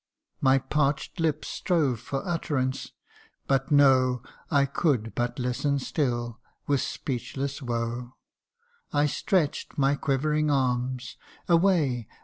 " My parch'd lips strove for utterance but no, I could but listen still, with speechless woe : 28 THE UNDYING ONE. I stretch 'd my quivering arms ' Away